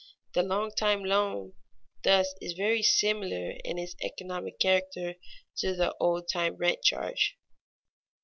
The long time loan thus is very similar in its economic character to the old time rent charge.